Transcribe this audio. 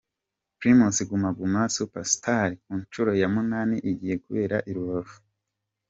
Primus Guma Guma Super Stars ku nshuro ya munani igiye kubera i Rubavu.